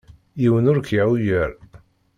Yiwen ur k-iɛuyer.